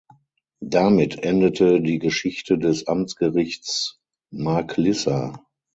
Damit endete die Geschichte des Amtsgerichts Marklissa.